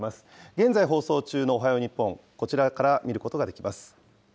現在放送中のおはよう日本、こちらから見ることができます。